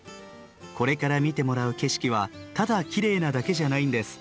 これから見てもらう景色はただきれいなだけじゃないんです。